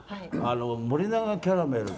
森永キャラメルと。